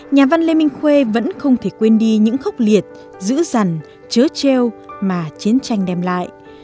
nhà văn lê minh khuê vẫn không thể quên đi những khốc liệt dữ dằn chớ treo mà chiến tranh đem lại